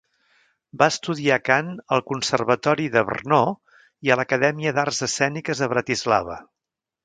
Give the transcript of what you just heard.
Va estudiar cant al Conservatori de Brno i a l'Acadèmia d'Arts escèniques a Bratislava.